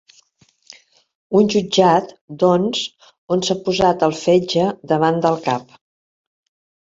Un jutjat, doncs, on s'ha posat el fetge davant del cap.